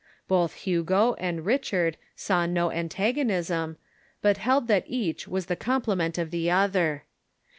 Both Hugo and Richard saw no antagonism, but held that each was the com[)lement of the other.